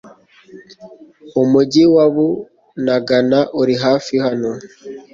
umujyi wa Bunagana uri hafi hano